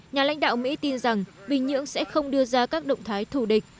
nhà lãnh đạo mỹ tin rằng bình nhưỡng sẽ không đưa ra các động thái thù địch